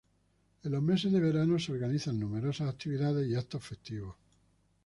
En los meses de verano, se organizan numerosas actividades y actos festivos.